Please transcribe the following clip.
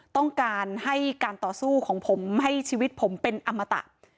ต้องการให้การต่อสู้ของผมให้ชีวิตผมเป็นอมตะ